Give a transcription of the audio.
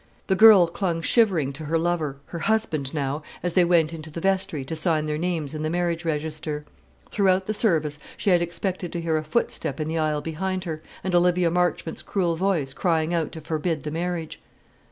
The girl clung shivering to her lover, her husband now, as they went into the vestry to sign their names in the marriage register. Throughout the service she had expected to hear a footstep in the aisle behind her, and Olivia Marchmont's cruel voice crying out to forbid the marriage.